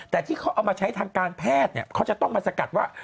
แต่ที่เขาเอามาใช้ทางการแพทย์เนี่ยเขาจะต้องมาสกัดว่า